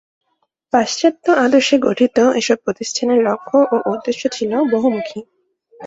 পাশ্চাত্য আদর্শে গঠিত এসব প্রতিষ্ঠানের লক্ষ্য ও উদ্দেশ্য ছিল বহুমুখী।